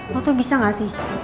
lo tuh bisa gak sih